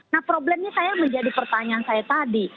nah problemnya saya menjadi pertanyaan saya tadi